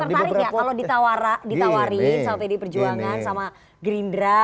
ya gak masa tertarik ya kalau ditawarin pdi perjuangan sama gerindra